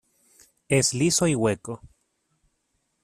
Es liso y hueco.